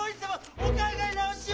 お考え直しを！